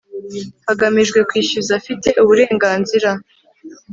hagamijwe kwishyuza afite uburenganzira